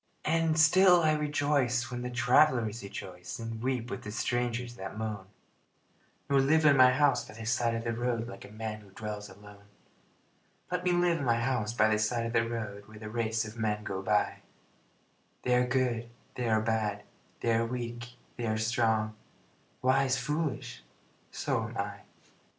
And still I rejoice when the travelers rejoice And weep with the strangers that moan, Nor live in my house by the side of the road Like a man who dwells alone. Let me live in my house by the side of the road, Where the race of men go by They are good, they are bad, they are weak, they are strong, Wise, foolish so am I.